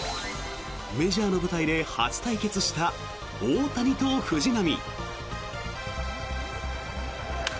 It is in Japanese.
メジャーの舞台で初対決した大谷と藤浪。